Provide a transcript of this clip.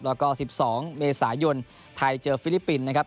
แล้วก็๑๒เมษายนไทยเจอฟิลิปปินส์นะครับ